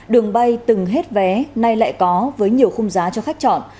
đường bay từng hết vé nay lại có với nhiều khung giá cho khách chọn